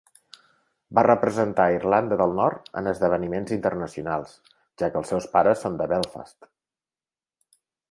Va representar a Irlanda del Nord en esdeveniments internacionals, ja que els seus pares són de Belfast.